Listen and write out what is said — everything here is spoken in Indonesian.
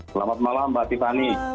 selamat malam mbak tiffany